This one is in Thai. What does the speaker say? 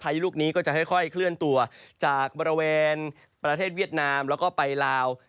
ยุลูกนี้ก็จะค่อยเคลื่อนตัวจากบริเวณประเทศเวียดนามแล้วก็ไปลาว